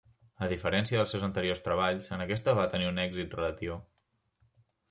A diferència dels seus anteriors treballs, en aquesta va tenir un èxit relatiu.